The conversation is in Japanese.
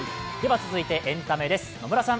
続いてエンタメです。